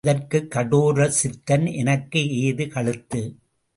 அதற்குக் கடோர சித்தன் எனக்கு எது கழுத்து?